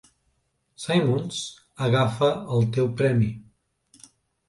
Simmons, agafa el teu premi.